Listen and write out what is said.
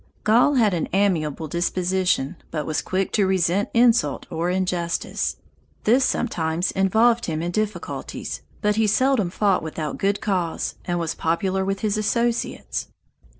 Gall had an amiable disposition but was quick to resent insult or injustice. This sometimes involved him in difficulties, but he seldom fought without good cause and was popular with his associates.